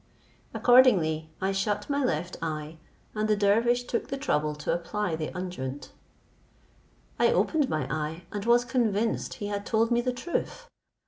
Accordingly I shut my left eye, and the dervish took the trouble to apply the unguent; I opened my eye, and was convinced he had told me truth.